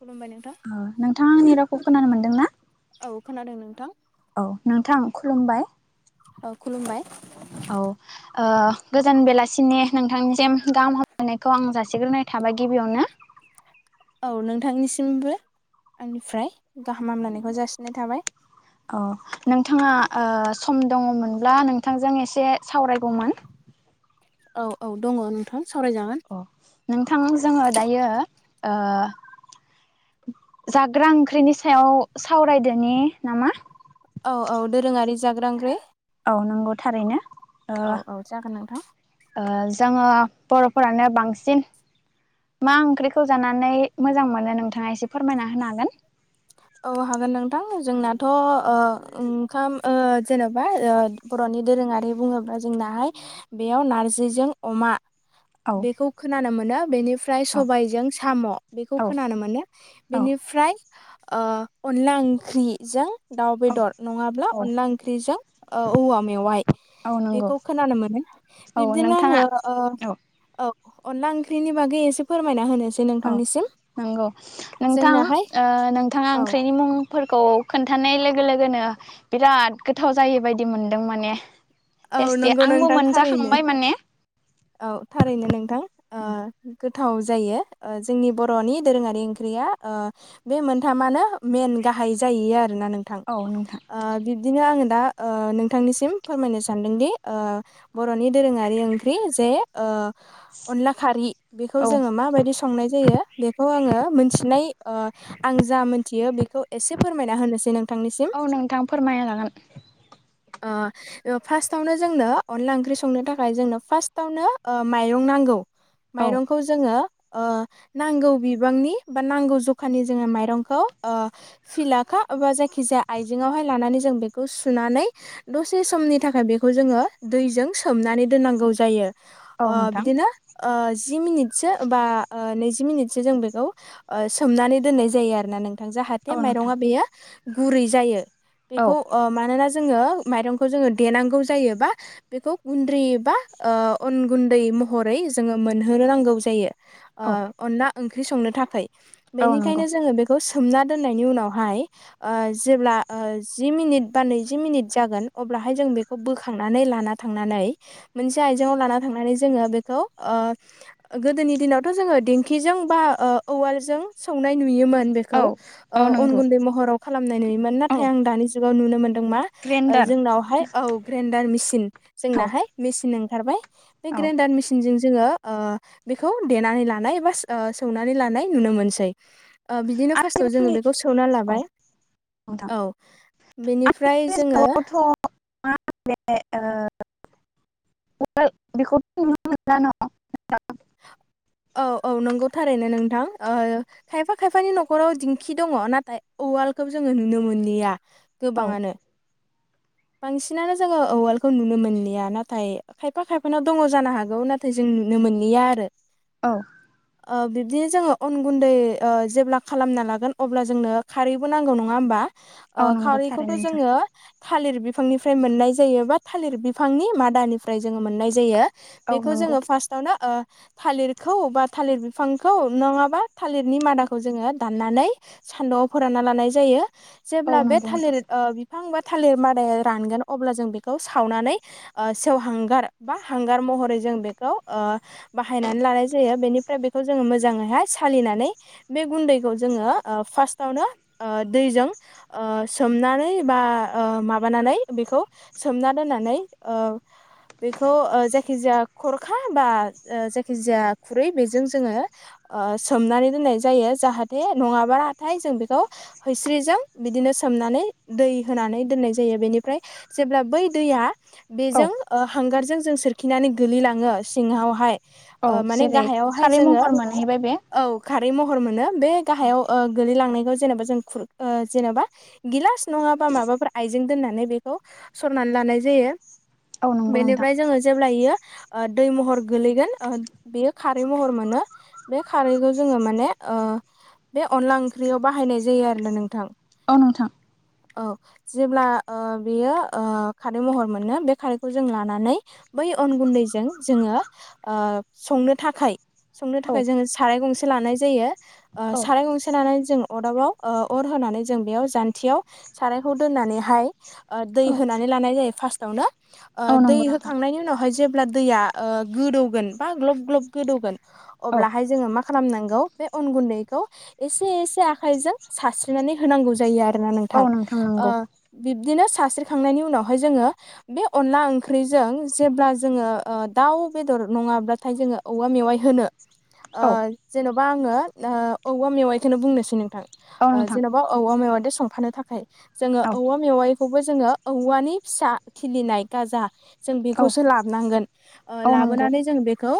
खुलुमबाय नोंथां। उम नोंथाङा आंनि रावखौ खोनानो मोनदों ना? औ खोनादों नोंथां। औ नोंथां खुलुमबाय। औ खुलुमबाय। औ। ओ गोजान बेलासिनि नोंथांनिसिम गाहाम हामलायनायखौ आं जासिग्रोनाय थाबाय गिबियावनो। औ नोंथांनिसिमबो आंनिफ्राय गाहाम हामलायनायखौ जासिनाय थाबाय। औ नोंथाङा ओ सम दङमोनब्ला नोंथांजों एसे सावरायगौमोन। औ-औ दङ नोंथां सावरायजागोन। अ नोंथां जोङो दायो ओ जाग्रा ओंख्रिनि सायाव सावरायदोनि नामा? औ औ दोरोङारि जाग्रा ओंख्रि। औ नंगौ थारैनो ओ औ औ जागोन नोंथां ओ जोङो बर'फोरानो बांसिन मा ओंख्रिखौ जानानै मोजां मोनो नोंथाङा एसे फोरमायना होनो हागोन। औ हागोन नोंथां जोंनाथ' ओ ओंखाम ओ जेन'बा ओ बर'नि दोरोङारि बुङोब्ला जोंनाहाय बेयाव नारजिजों अमा। औ बेखौ खोनानो मोनो बेनिफ्राय औ सबायजों साम' बेखौ औ खोनानो मोनो। औ बेनिफ्राय ओ अनला ओंख्रिजों दाउ औ बेदर नङाब्ला औ अनला ओंख्रिजों ओ औवा मेवाइ। औ नंगौ बेखौ खोनानो मोनो औ बिबदिनो आङो नोंथाङा ओ औ औ अनला ओंख्रिनि बागै एसे फोरमायना होनोसै। औ नोंथांनिसिम नंगौ नोंथां जोंनाहाय ओ नोंथाङा औ ओंख्रिनि मुं फोरखौ खोन्थानाय लोगो लोगोनो बिराद गोथाव जायोबादि मोनदों माने। औ टेस्टि नंगौ आंबो नोंथां थारैनो मोनजाखांबाय माने। औ थारैनो नोंथां। ओ गोथाव जायो जोंनि बर'नि दोरोङारि ओंख्रिया ओ बे मोनथामानो मेन गाहाय जायो आरो ना नों थां औ नोंथां ओ बिब्दिनो आङो दा ओ नोंथांनिसिम फोरमायनो सा सान्दोंदि ओ बर'नि दोरोङारि ओंख्रि जे ओ अनला खारि बेखौ औ जोङो माबायदि संनाय जायो बेखौ आङो मिथिनाय ओ आं जा मोनथियो बेखौ एसे फोरमायना होनोसै नोंथांनिसिम। फोरमाया लागोन। ओ ओ फार्स्टआवनो जोंनो अनला ओंख्रि संनो थाखाय जोंनो फार्स्टआवनो ओ माइरं नांगौ। औ माइरंखौ जोङो ओ नांगौ बिबांनि बा नांगौ जखानि जोङो माइरंखौ ओ फिलाखा एबा जायखि जाया आइजेंआवहाय लानानै जों बेखौ सुनानै दसे समनि थाखाय बेखौ जोङो दैजों सोमनानै दोननांगौ जायो औ ओ नोंथां बिदिनो ओ जि मिनिटसो बा नैजि ओ मिनिटसो जों बेखौ ओ सोमनानै दोननाय जायो आरो ना नोंथां जाहा औ थे नोंथां माइरंआ बेयो गुरै जायो औ बेखौ ओ मानोना जोङो माइरंखौ जोङो देनांगौ जायोबा बेखौ गुन्द्रै एबा ओ अन गुन्दै महरै जोङो मोनहोनो नांगौ जायो। ओ औ अनला ओंख्रि संनो थाखाय औ नंगौ बेनिखायनो जोङो बे खौ सोमना दोननायनि उनावहाय ओ जेब्ला ओ जि मिनिट बा नैजि मिनिट जागोन अब्ला हाय जों बेखौ बोखांनानै लाना थांनानै मोनसे आयजेंआव लाना थांनानै जोङो बेखौ ओ गोदोनि दिनावथ' जोङो दिंखिजों बा ओ उवालजों सौनाय नुयोमोन। औ बेखौ ओ औ अन नंगौ गुन्दै महराव खालामनाय नुयोमोन औ नाथाय आं दानि जुगाव नुनो मोनदों मा ओ ग्रेन्डार जोंनावहाय औ ग्रेन्डार मेचन औ जोंनाहाय मेचिन ओंखारबाय। बे औ ग्रेन्दार मिस थोंजों जोङो ओ बिखौ देनानै लानाय बास ओ सौनानै लानाय नुनो मोनसै ओ बिदिनो फार्स्टआव जोङो आथिखालनि बेखौ सौना औ लाबाय। नोंथां औ बेनिफ्राय जोङो [unintelligible] ओ [unintelligible] [inaudible] औ औ नंगौ थारैनो नोंथां ओ खायफा खायफानि न'खराव दिंखि दङ नाथाय उवालखौ जोङो नुनो मोनलिया। औ गोबाङानो बांसिनानो जोङो उवालखौ नुनो मोनलिया नाथाय खायफा खायफानाव दङ जानो हागौ नाथ थाय जों नुनो मोनलिया आरो औ ओ बिब्दिनो जोङो अन गुन्दै ओ जेब्ला खालामना लागोन अब्ला जोंनो खारैबो नांगौ नङा होमबा? ओ औ नंगौ थारैनो खारैखौथ' नोंथां जोङो थालिर बिफांनिफ्राय मोननाय जायो बा थालिर बिफांनि मादानिफ्राय जोङो मोननाय जायो। औ बेखौ नंगौ जोङो फास्तआवनो ओ थालिरखौ बा थालिर बिफांखौ नङाबा थालिरनि मादाखौ जोङो दाननानै सान्दुंआव फोरानना लानाय जायो औ जेब्ला बे नंगौ नोंथां थालिर ओ बि थालिर मादाया रानगोन अब्ला जों बेखौ सावनानै ओ सेवहांगार बा हांगार महरै जों बेखौ ओ बाहायनानै लानाय जायो बेनिफ्राय बेखौ जोङो मोजाङैहाय सालिनानै बे गुन्दैखौ जोङो ओ फार्स्टावनो ओ दैजों ओ सोमनानै बा ओ माबानानै बेखौ सोमना दोननानै ओ बेखौ ओ जायखिजाया खरखा बा ओ जायखिजाया खुरै बेजों जोङो ओ सोमनानै दोननाय जायो जाहाथे नङाबाराथाय जों बेखौ हैैस्रिजों बिदिनो सोमनानै दै होनानै दोननाय जायो बेनिफ्राय जेब्ला बै दैया औ बेजों ओ हांगारजों जों सोरख खिनानै गोलैलाङो सिङावहाय औ ओ माने जेरै गाहायावहाय खारै जोङो महर मोनहैबाय बे औ खारै महर मोनो बे औ गाहायाव ओग गोलै लांनायखौ जेनोबा जों खुर ओ जेनोबा गिलास नंङाबा माबाफोरा बिदिनो दोन्नानै बेखौ सरनानै लानाय जायो औ नंगौ नोंथां बेनिफ्राय जोङो जेब्लायो ओ दै महर गोलैगोन ओ बेयो खारै महर मोनो। बे खारैखौ जोङो माने ओ बे अनला ओंख्रियाव बाहायनाय जायो आरोना नोंथां। अ नोंथां औ जेब्ला ओ बेयो ओ खारै महर मोनो बे खारैखौ जों लानानै बै अन गुन्दैजों जोङो ओ संनो थाखाय संनो औ थाखाय जोङो साराय गंसे लानाय जायो ओ औ साराय गंसे लानानै जों अरदाबाव ओ अर होनानै जों बेयाव जान्थियाव सारायखौ दोननानैहाय ओ दै औ होनानै लानाय जायो फार्स्टआवनो ओ औ दै नंगौ नोंथां होखांनायनि उनावहाय जेब्ला दैया ओ गोदौगोन बा ग्लब ग्लब गोदौगोन औ अब्लाहाय जोङो मा खालामनांगौ बे अन गुन्दैखौ एसे एसे आखाइजों सारस्रिनानै होनांगौ जायो आर दोरना औ नोंथां ओ नंगौ बिब्दिनो सास्रिखांनायनि उनावहाय जोङो बे अनला ओंख्रिजों जेब्ला जोङो ओ दाउ बेदर नङाब्लाथाय जोङो औवा मेवाइ होनो ओ औ जेन'बा आङो ओ औवा मेवाइखौनो बुंनोसै नोंथां औ ओ नोंथां जेन'बा औवा मेवायदो संफानो थाखाय जोङो औ औवा मेवाय खौबो जोङो औवानि फिसा खिलिनाय गाजा जों औ बेखौसो लाबनांगोन ओ औ नंगौ लाबोनानै जों बेखौ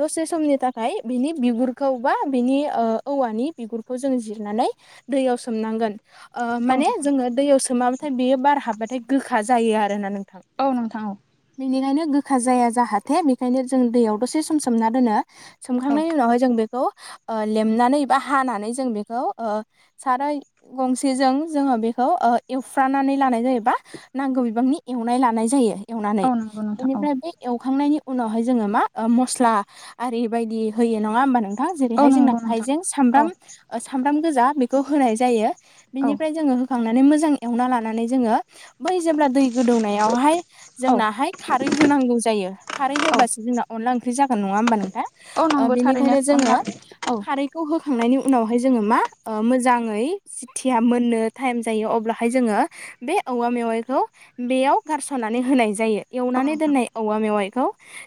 दसे समनि थाखाय बिनि बिगुरखौ बा बिनि ओ औवानि बिगुरखौ जों जिरनानै दैयाव सोमनांगोन ओ औ माने नोंथां जोङो दैयाव सोमाबाथाय बेयो बार हाबबाथाय गोखा जायो आरोना नोंथां। औ नोंथां औ बेनिखायनो गोखा जाया जाहाथे बेखायनो जों दैयाव दसे सम सोमना दोनो। औ सोमखांनायनि उनावहाय जों बेखौ ओ लेमनानै बा हानानै जों बेखौ ओ साराय गंसेजों जोङो बेख खौ ओ एवफ्रानानै लानाय जायोबा नांगौ बिबांनि एवनाय लानाय जायो। एवनानै औ नंगौ नोंथां औ बेनिफ्राय बे एवखांनायनि उनावहाय जोङो मा ओ मस्ला आरि बायदि होयो नङा होमबा नों हा औ जेरैहाय जोंना नंगौ नोंथां हायजें, औ सामब्राम ओ सामब्राम गोजा बेखौ होनाय जायो। औ बिनिफ्राय जोङो होखांनानै मोजां एवना लानानै जोङो बै जेब्ला दै गोदौनायावहाय औ जोंनाहाय खारै होनांगौ जायो खारै होबासो जोंना अनला ओंख्रि जागोन नङा होमबा नों ना औ ओ नंगौ थारैनो बेनिखायनो अनला जोङो औ खारै खौ होखांनायनि उनावहाय जोङो मा ओ मोजाङै जिथिया मोननो टाइम जायो अब्लाहाय जोङो बे औवा मेवाइखौ बेयाव गारस'नानै होनाय जायो। औ एवनानै नोंथां दोननाय औवा मेवाइखौ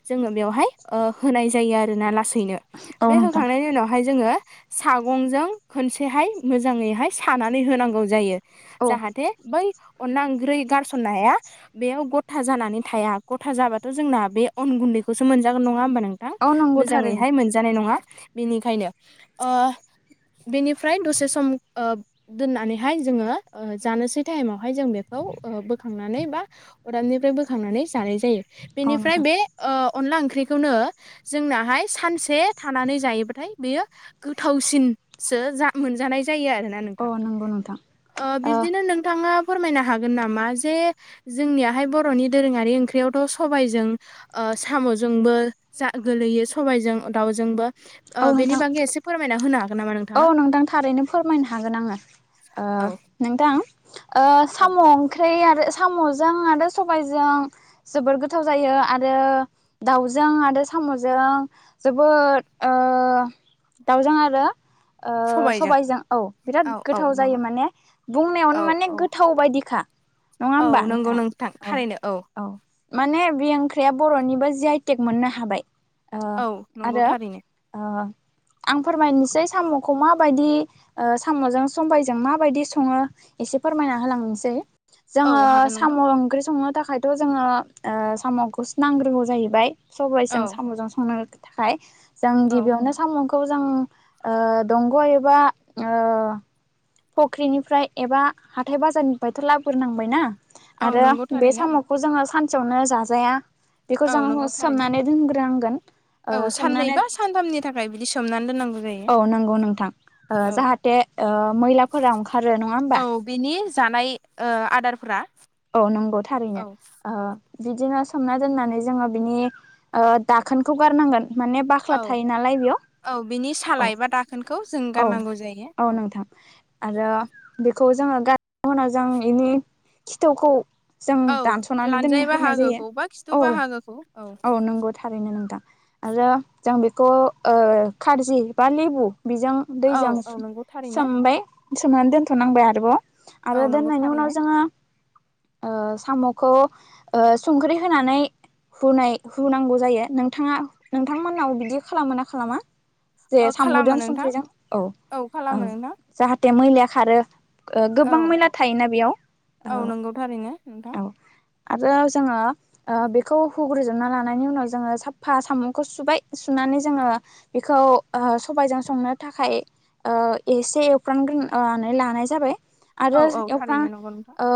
जोङो बेवहाय ओ होनाय जायो आरो ना लासै हैनो औ बे नोंथां होखांनायनि उनावहाय जोङो सागंजों खनसेहाय मोजाङैहाय सानानै होनांगौ जायो। औ जाहाथे बै अनना ओंख्रै गारसननाया बेयाव गथा जानानै थाया गथा जाबाथ' जोंना बे अन गुन्दैखौसो मोनजागोन नङा होमबा नों नोंथां औ नंगौ थारैनो मोजाङैहाय मोनजानाय नङा बेनिखायनो ओ बेनिफ्राय दसे सम ओ दोननानै हाय जोङो ओ जानोसै टाइमावहाय जों बेखौ ओ बोखांनानै बा अदाबनिफ्राय बोखांनानै जानाय जायो औ बेनिफ्राय नोंथां बे ओ अनला ओंख्रिखौनो जोंनाहाय सानसे थानानै जायोबाथाय बेयो गोथावसिनसो जा मोनजानाय जायो आरोना नों अ नंगौ नोंथां। ओ बिब्दिनो नोंथाङा फोरमायनो हागोन नामा जे जोंनियाहाय बर'नि दोरोङारि ओंख्रियावथ' सबबायजों ओ साम'जोंबो जा गोलैयो सबायाइजों दाउजोंबो औ ओ नोंथां बेनि बागै एसे फोरमायना होनो हागोन नामा नों औ नोंथां थारैनो फोरमायनो हागोन आङो औ नोंथां ओ साम' ओंख्रि आरो साम'जों आरो सबायजों जोबोर गोथाव जायो आरो दाउजों आरो साम'जों जोबोद ओ दाउजों आरो ओ सबायजों औ बिराद औ औ गोथाव नंगौ जायो माने औ बुंनायावनो माने औ गोथाव बायदिखा। औ नंगौ नोंथां थारैनो औ। औ माने बे ओंख्रिया बर'निबो जि आइ टेक मोननो हाबाय। ओ औ नंगौ आरो थारैनो ओ आं फोरमायनोसै साम'खौ माबायदि ओ साम'जों सबायजों माबायदि सङो एसे फोरमायना होलांनोसै। औ जोङो हागोन साम' नोंथां ओंख्रि संनो थाखायथ' जोङो साम'खौसो नांग्रोगौ जाहैबाय। सबायजों औ साम'जों संनो थाखाय जों औ गिबियावनो साम'खौ जों ओ दंग' एबा ओ फुख्रिनिफ्राय एबा हाथाय बाजारनिफ्रायथ' लाबोग्रोनांबायना औ आरो नंगौ बे थारैनो साम' खौ जोङो सानसेयावनो जाजाया बेखौ औ जों नंगौ थारैनो सोमनानै दोनग्रोनांगोन औ ओ साननै सोमनानै बा सानथामनि थाखाय बिदि सोमनानै दोननांगौ जायो। औ नंगौ नोंथां ओ औ जाहाथे ओ मैलाफोरा ओंखारो नङा औ होमबा? बिनि जानाय ओ आदारफ्रा औ नोंगौ थारैनो ओ बिदिनो सोमना दोननानै जोङो बिनि ओ दाखोनखौ गारनांगोन। माने बाख्ला औ थायो नालाय बेयाव। औ बिनि औ सालाय एबा दाख खोनखौ जों औ गारनांगौ जायो औ नोंथां आरो बेखौ जोङो गार उनाव जों इनि खिथुखौ जों औ दानस'नानै दोन लानजाय होनाय जायो बाहागोखौ बा औ। [inaudible] औ। औ नंगौ थारैनो नोंथां। आरो जों बेखौ खारजि बा लेबु बेजों औ दैजों औ नंगौ थारैनो सोमबेय सोमनानै दोनथ'नांबाय आरोबाव आरो औ नंगौ दोननायनि थारैनो उनाव जोङो ओ साम'खौ ओ संख्रि होनानै हुनाय हुनांगौ जायो। नोंथाङा नोंथांमोननाव बिदि खालामो ना खालामा? जे ओ खालामो सामजों नोंथां संख्रिजों औ खालामो ओं नोंथां जाहाथे मैलाया खारो ओ औ गोबां मैला थायोना बेयाव औ नंगौ थारैनो नोंथां औ आरो जोङो ओ बेखौ हुग्रोजोबना लानायनि उनाव जोङो साफा सामखौ सुबाय सुनानै जोङो बेखौ ओ सबायजों संनो थाखाय ओ एसे एवफ्रामग्रोनानै लानाय जाबाय औ आरो औ एवफ्रां थारैनो नंगौ नोंथां ओ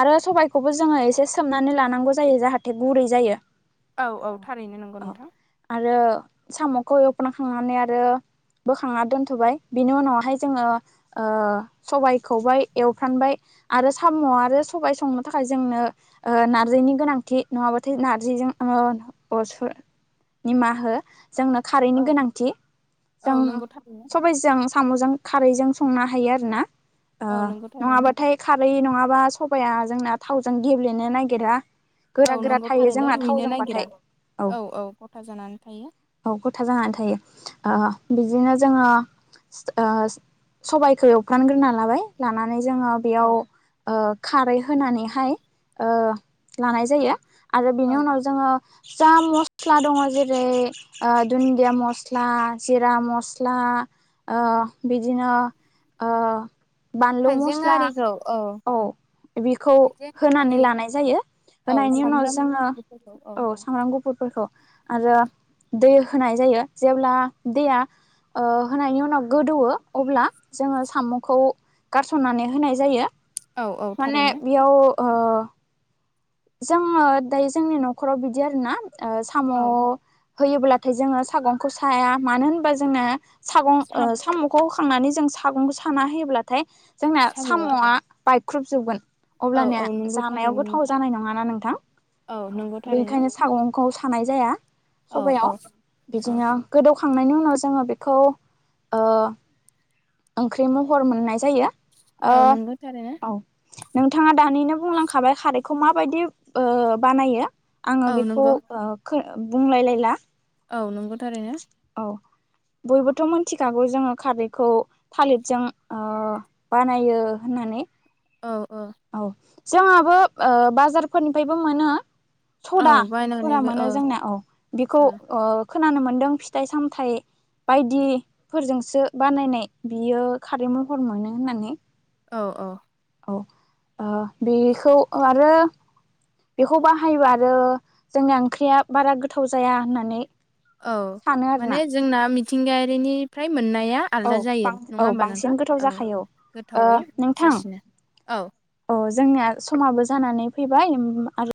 आरो सबायखौबो जोङो एसे सोमनानै लानांगौ जायो जाहाथे गुरै जायो औ औ थारैनो नंगौ औ नोंथां। आरो साम'खौ एवफ्रांखांनानै आरो बोखांना दोनथ'बाय बिनि उनावहाय जोङो ओ सबाय खौबाय एवफ्रामबाय आरो साम' आरो सबाय संनो थाखाय जोंनो ओ नार्जिनि गोनांथि नङाबाथाय नारजिजों ओ अ स निमा हो जोंनो खारैनि औ गोनांथि औ जों नंगौ थारैनो सबायजों साम'जों खारैजों संनो हायो आरोना ओ औ नंगौ थारैनो नङाबाथाय खारै नङाबा सब बाया जोंना थावजों गेब्लेनो नागिरा औ गोरा गोरा नंगौ थायो थारैनो जोंना रुइनो नागिरा थावजोंबाथाय औ गथा जानानै थायो औ गथा जानानै थायो ओ बिदिनो जोङो ओ सबायखौ एफ्रानग्रोना लाबाय लानानै जोङो औ बेयाव ओ खारै होनानैहाय ओ लानाय जायो आरो बिनि औ उनाव जोङो जा म मस्ला दङ जेरै ओ दुन्दिया मस्ला जिरा मस्ला ओ बिदिनो ओ बानलु हाइजें मस्ला आरिखौ औ खौ हाइजें होनानै आरि लानाय जायो औ होनायनि उनाव सामब्राम जोङो बेफोरखौ औ सामब्राम गुफुरफोरखौ आरो दै होनाय जायो जेब्ला दैया ओ होनायनि उनाव गोदौवो अब्ला जोङो साम'खौ गारसननानै होनाय जायो औ औ माने थारैनो बेयाव ओ जोङो दायो जोंनि न'खराव बिदि आरोना ओ साम' औ होयोब्लाथाय जोङो सागंखौ साया मानो होनबा जोंना सागं ओ साम' खौखांनानै जों सागंखौ साना होयोब्लाथाय जोंना साम'आ बायख्रुबजोबगोन औ अब्लानिया औ नंगौ जानायावबो थाव थारैनो नाय नङा ना नोंथां औ नंगौ थारैनो बेनिखायनो सागंखौ सानाय जाया औ सबायाव औ औ बिदिनो गोदौखांनायनि उनाव जोङो बेखौ ओंख्रि महर मोननाय जायो ओ औ नंगौ थारैनो औ नोंथाङा दानिनो बुंलांखाबाय खारैखौ माबायदि बानायो आङो औ बेखौ नंगौ बुंलाय लायला औ नंगौ थारैनो औ बयबोथ' मिनथिखागौ जोङो खारैखौ थालिरजों ओ बानायो होननानै औ औ औ जोंहाबो ओ बाजारफोरनिफ्रायबो मोनो औ सदा सदा बायनानैबो मोनो ओ जोंना औ बेखौ ओ खोनानो मोनदों फिथाइ सामथाइ बायदिफोरजोंसो बानायनाय बियो खारै महर मोनो होननानै औ-औ औ ओ बेखौ आरो बेखौ बाहायोबा आरो जोंनि ओंख्रिया बारा गोथाव जाया होननानै औ सानो माने आरोना जोंना मिथिंगायारिनिफ्राय मोननाया औ आलदा जायो बां औ नङा होमबा बांसिन नोंथां गोथाव औ जाखायो ओ गोथावै नोंथां जासिनो औ औ जोंनिया समाबो जानानै फैबाय आरो